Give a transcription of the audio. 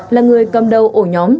là người cầm đầu ổ nhóm